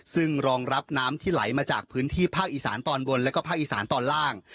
ซึ่งรองรับน้ำที่ไหลมาจากพื้นที่ภาคอีสานตอนบนแล้วก็ภาคอีสานตอนล่าง